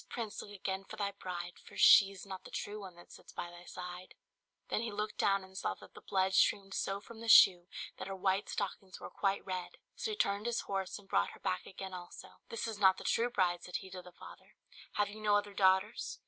prince! look again for thy bride, For she's not the true one that sits by thy side." Then he looked down and saw that the blood streamed so from the shoe that her white stockings were quite red. So he turned his horse and brought her back again also. "This is not the true bride," said he to the father; "have you no other daughters?"